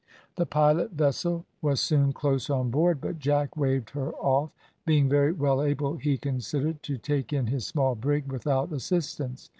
The pilot vessel was soon close on board, but Jack waved her off, being very well able he considered to take in his small brig without assistance.